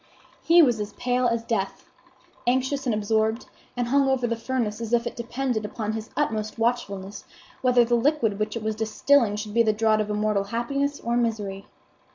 He was pale as death, anxious and absorbed, and hung over the furnace as if it depended upon his utmost watchfulness whether the liquid which it was distilling should be the draught of immortal happiness or misery.